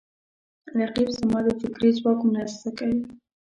رقیب زما د فکري ځواک مرسته کوي